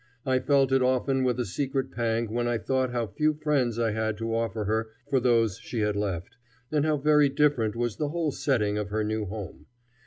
I felt it often with a secret pang when I thought how few friends I had to offer her for those she had left, and how very different was the whole setting of her new home.